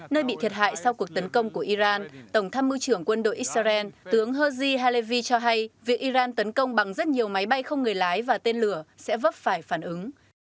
nơi bị thiệt hại sau cuộc tấn công của iran tổng tham mưu trưởng quân đội israel tướng haji halevi cho hay việc iran tấn công bằng rất nhiều máy bay không người lái và tên lửa sẽ vấp phải phản ứng